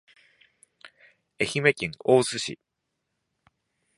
愛媛県大洲市